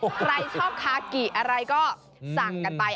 ใครชอบคากิอะไรก็สั่งกันไป